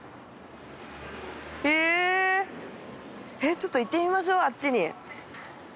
ちょっと行ってみましょうあっちに。